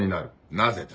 なぜだ？